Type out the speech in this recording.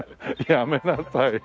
やめなさい。